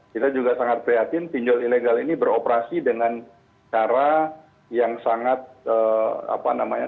kita juga sangat prihatin pinjol ilegal ini beroperasi dengan cara yang sangat apa namanya